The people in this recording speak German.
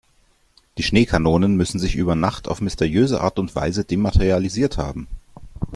Die Schneekanonen müssen sich über Nacht auf mysteriöse Art und Weise dematerialisiert haben.